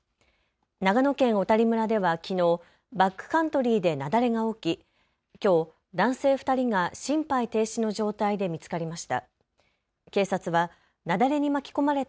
長野県小谷村ではきのうバックカントリーで雪崩が起ききょう男性２人が心肺停止の状態で見つかりました。